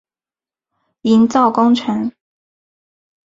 营造工程